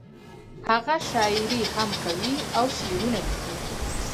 هغه شاعري هم کوي او شعرونه ليکي